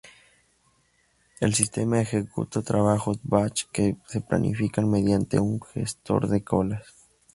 El sistema ejecuta trabajos batch que se planifican mediante un gestor de colas.